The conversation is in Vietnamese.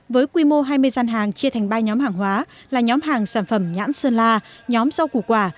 với quy mô hai mươi gian hàng chia thành ba nhóm hàng hóa là nhóm hàng sản phẩm nhãn sơn la nhóm rau củ quả